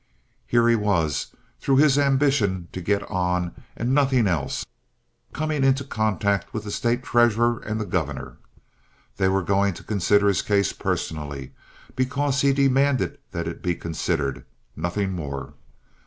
Here he was, through his ambition to get on, and nothing else, coming into contact with the State treasurer and the governor. They were going to consider his case personally, because he demanded that it be considered—nothing more.